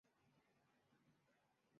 却遭到否认。